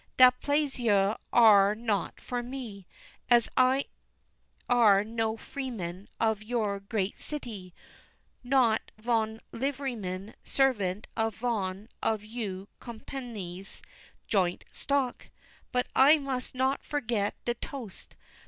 dat plaisir are not for me, as I are not freeman of your great cité, not von liveryman servant of von of you compagnies joint stock. But I must not forget de toast.